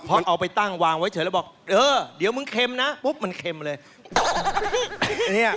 พอเอาไปตั้งวางไว้เฉยแล้วบอกเออเดี๋ยวมึงเค็มนะปุ๊บมันเค็มเลย